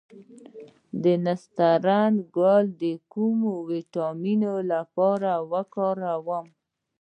د نسترن ګل د کوم ویټامین لپاره وکاروم؟